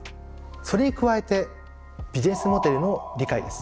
それに加えてビジネスモデルの理解です。